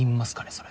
それ。